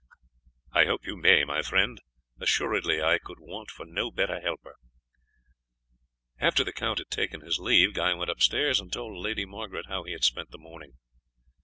"I hope you may, my friend; assuredly I could want no better helper." After the count had taken his leave Guy went upstairs and told Lady Margaret how he had spent the morning.